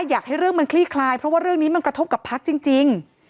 อยากให้เรื่องมันคลี่คลายเพราะว่าเรื่องนี้มันกระทบกับพักจริง